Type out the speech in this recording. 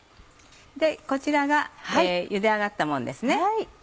こちらがゆで上がったものですね。